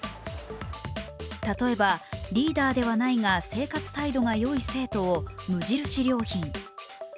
例えば、リーダーではないが生活態度がよい生徒を、無印良品。